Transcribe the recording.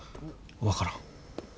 分からん。